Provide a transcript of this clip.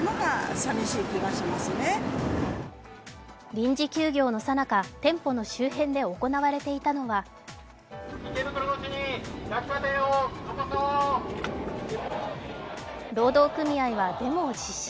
臨時休業のさなか、店舗の周辺で行われていたのは労働組合はデモを実施。